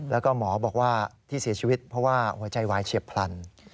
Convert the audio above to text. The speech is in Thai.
แล้วก็หมอบอกว่าที่เสียชีวิตเพราะว่าหัวใจวายเฉียบพลัน